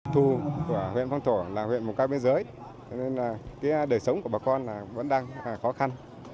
thu của huyện phong thổ là huyện một cao biên giới cho nên là cái đời sống của bà con là vẫn đang khó khăn